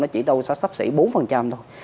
nó chỉ đâu sẽ sắp xỉ bốn thôi